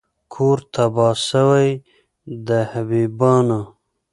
کور تباه سوی د حبیبیانو